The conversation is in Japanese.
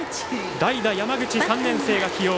代打、山口３年生が起用。